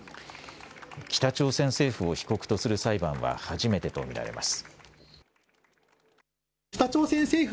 北朝鮮政府を被告とする裁判は初めてと見られます。